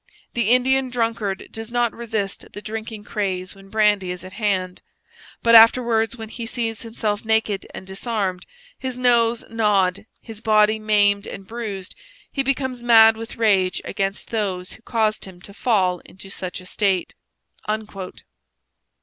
The Indian drunkard does not resist the drinking craze when brandy is at hand. But afterwards, when he sees himself naked and disarmed, his nose gnawed, his body maimed and bruised, he becomes mad with rage against those who caused him to fall into such a state.